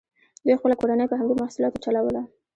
دوی خپله کورنۍ په همدې محصولاتو چلوله.